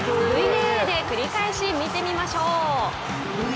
ＶＡＡで繰り返し見てみましょう。